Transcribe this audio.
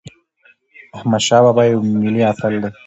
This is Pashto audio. احمدشاه بابا یو ملي اتل دی.